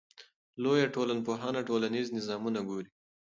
لویه ټولنپوهنه ټولنیز نظامونه ګوري.